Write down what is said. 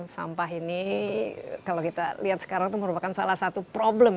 sampah ini kalau kita lihat sekarang itu merupakan salah satu problem